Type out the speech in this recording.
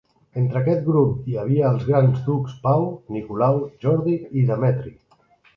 Entre aquest grup hi havia els grans ducs Pau, Nicolau, Jordi i Demetri.